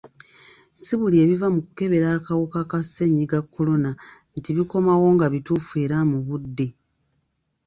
Si buli ebiva mu kukebera akawuka ka ssennyiga kolona nti bikomawo nga bituufu era mu budde.